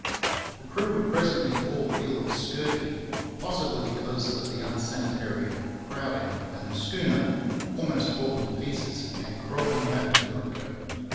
The crew were presently all ill of scurvy, possibly because of the unsanitary crowding, and the schooner, almost falling to pieces, came crawling back to Nootka.